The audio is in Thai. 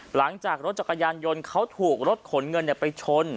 หลังจากรถจักรยานยนต์เขาถูกรถขนเงินไปชน